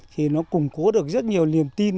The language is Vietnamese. thì nó củng cố được rất nhiều niềm tin